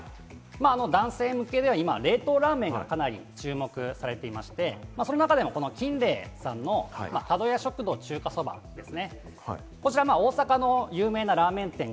男性向けでは今、冷凍ラーメンがかなり注目されていまして、その中でも、キンレイさんのカドヤ食堂中華そばです。